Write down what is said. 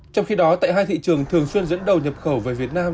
trong khi đó tại hai thị trường thường xuyên dẫn đầu nhập khẩu về việt nam